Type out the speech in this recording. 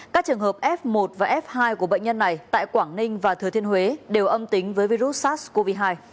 các trường hợp f một và f hai của bệnh nhân này tại quảng ninh và thừa thiên huế đều âm tính với virus sars cov hai